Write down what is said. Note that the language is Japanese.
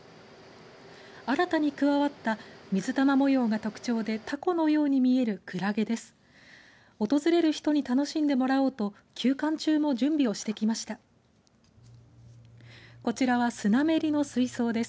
新たに加わった水玉模様の特徴でタコのように見えるクラゲです。